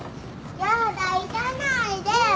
やだ行かないで。